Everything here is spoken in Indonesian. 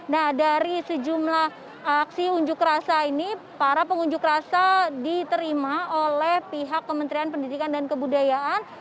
nah dari sejumlah aksi unjuk rasa ini para pengunjuk rasa diterima oleh pihak kementerian pendidikan dan kebudayaan